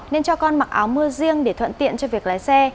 nên cho con mặc áo mưa riêng để thuận tiện cho việc lái xe